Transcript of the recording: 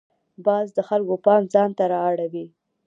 باز د خلکو پام ځان ته را اړوي